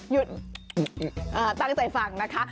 หยุดตั้งใจฟังนะคะ